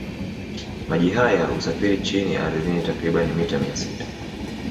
Maji haya husafiri chini ardhini takribani mita mia sita